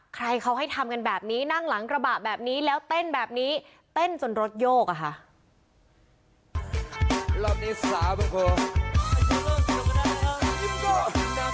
ใครเขาให้ทำกันแบบนี้นั่งหลังกระบะแบบนี้แล้วเต้นแบบนี้เต้นจนรถโยกอะค่ะ